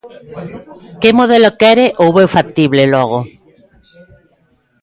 Que modelo quere ou ve factible, logo?